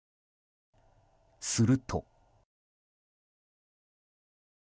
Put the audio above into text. すると。